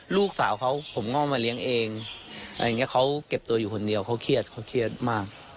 ลูกสาวเขาผมง่อมาเลี้ยงเองเขาเก็บตัวอยู่คนเดียวเขาเครียดเครียดมาก